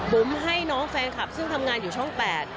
ให้น้องแฟนคลับซึ่งทำงานอยู่ช่อง๘